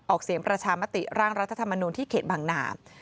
เสียงประชามติร่างรัฐธรรมนูลที่เขตบางนา